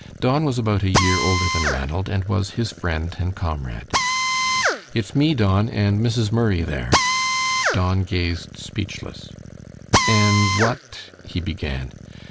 Don was about a year older than Ranald and was his friend and comrade. "It's me, Don and Mrs. Murray there." Don gazed speechless. "And what " he began.